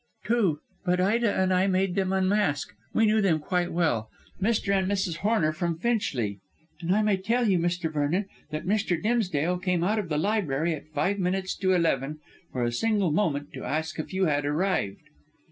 "Two. But Ida and I made them unmask. We knew them quite well. Mr. and Mrs. Horner from Finchley. And I may tell you, Mr. Vernon, that Mr. Dimsdale came out of the library at five minutes to eleven for a single moment to ask if you had arrived."